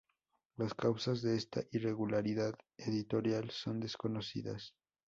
Las causas de esta irregularidad editorial son desconocidas.